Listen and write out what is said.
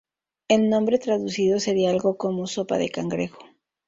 El nombre traducido sería algo como: "sopa de cangrejo".